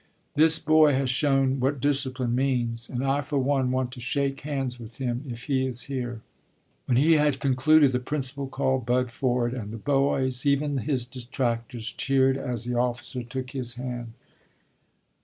"This boy has shown what discipline means, and I for one want to shake hands with him, if he is here." When he had concluded the Principal called Bud forward, and the boys, even his detractors, cheered as the officer took his hand.